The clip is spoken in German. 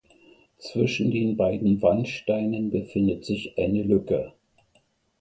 Zwischen den beiden Wandsteinen befindet sich eine Lücke.